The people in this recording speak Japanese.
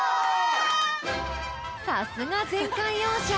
［さすが前回王者］